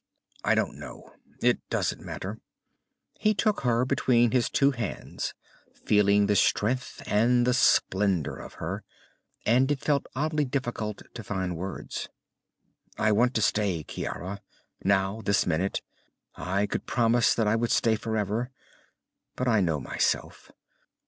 "I don't know. It doesn't matter." He took her between his two hands, feeling the strength and the splendor of her, and it was oddly difficult to find words. "I want to stay, Ciara. Now, this minute, I could promise that I would stay forever. But I know myself.